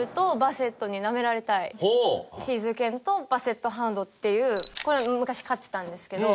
シーズー犬とバセット・ハウンドっていうこれ昔飼ってたんですけど